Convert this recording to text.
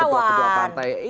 pada ketua ketua pantai